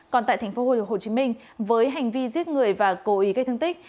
còn tại tp hcm với hành vi giết người và cố ý gây thương tích